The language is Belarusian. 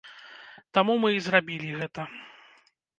Таму мы і зрабілі гэта.